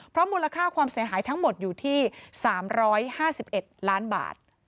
เพราะมูลค่าความเสียหายทั้งหมดอยู่ที่๓๕๑ล้านบาท